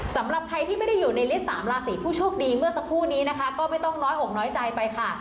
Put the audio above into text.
สำหรับใครที่ไม่ได้อยู่ในลิตรสามราศีผู้โชคดีเมื่อสักครู่นี้นะคะก็ไม่ต้องน้อยอกน้อยใจไปค่ะ